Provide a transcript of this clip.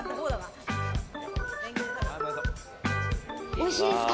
おいしいですか？